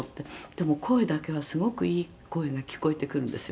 「でも声だけはすごくいい声が聞こえてくるんですよね」